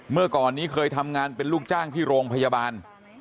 เมื่อก่อนนี้เคยทำงานเป็นลูกจ้างที่โรงพยาบาล